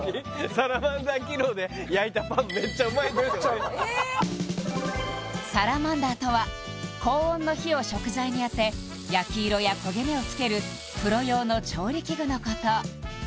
サラマンダーそうめっちゃうまいサラマンダーとは高温の火を食材に当て焼き色や焦げ目をつけるプロ用の調理器具のこと